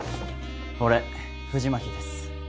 俺藤巻です。